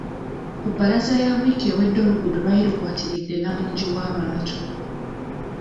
Ku bbalaza ya wiiki ewedde oluguudo lwali lukwatiridde nnamungi w'omuntu.